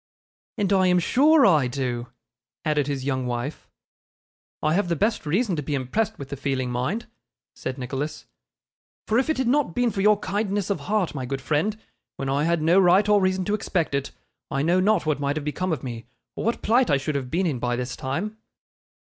'And I am sure I do,' added his young wife. 'I have the best reason to be impressed with the feeling, mind,' said Nicholas; 'for if it had not been for your kindness of heart, my good friend, when I had no right or reason to expect it, I know not what might have become of me or what plight I should have been in by this time.